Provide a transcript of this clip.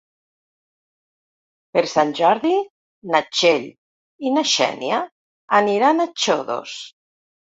Per Sant Jordi na Txell i na Xènia aniran a Xodos.